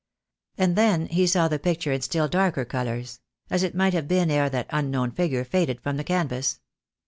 And then he saw the picture in still darker colours, as it might have been ere that unknown figure faded from the canvas.